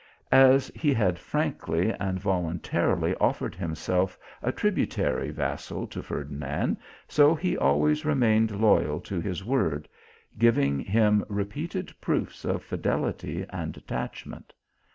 As he had frankly and voluntarily offered himself a tributary vassal to Ferdinand, so he always re MAHAMAD ABEN ALAHMAR. 295 mained loyal to his word, giving him repeated proofs of fidelity and attachment.